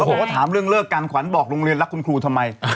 บอกว่าถามเรื่องเลิกกันขวัญบอกโรงเรียนรักคุณครูทำไม